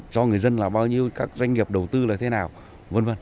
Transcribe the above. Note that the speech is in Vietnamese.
cho người dân là bao nhiêu các doanh nghiệp đầu tư là thế nào v v